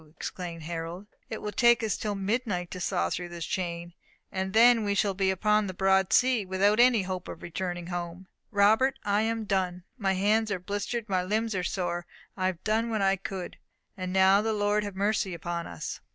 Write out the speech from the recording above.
exclaimed Harold. "It will take us till midnight to saw through this chain, and then we shall be upon the broad sea, without any hope of returning home. Robert, I am done! My hands are blistered! My limbs are sore! I have done what I could! And now the Lord have mercy upon us!"